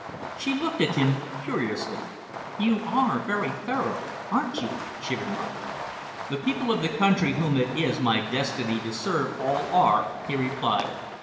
She looked at him curiously. "You are very thorough, aren't you?" she remarked. "The people of the country whom it is my destiny to serve all are," he replied.